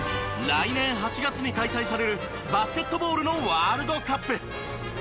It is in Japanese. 来年８月に開催されるバスケットボールのワールドカップ。